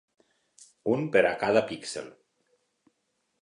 Un per a cada píxel.